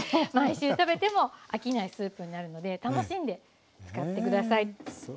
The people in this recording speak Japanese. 毎週食べても飽きないスープになるので楽しんで使って下さい。